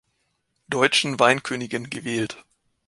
Deutschen Weinkönigin gewählt.